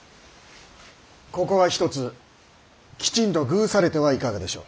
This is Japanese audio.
ここはひとつきちんと遇されてはいかがでしょう。